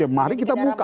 ya mari kita buka